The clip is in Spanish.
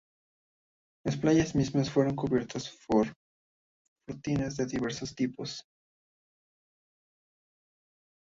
Las playas mismas fueron cubiertas por fortines de diversos tipos.